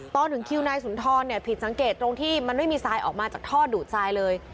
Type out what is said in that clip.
ตอนถึงคิวนายสุนทรเนี่ยผิดสังเกตตรงที่มันไม่มีทรายออกมาจากท่อดูดทรายเลย